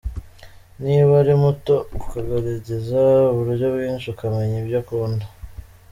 Niba ari muto ukagerageza uburyo bwinshi ukamenya ibyo akunda.